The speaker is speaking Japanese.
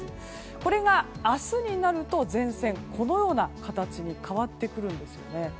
これが明日になると前線、このような形に変わってくるんですよね。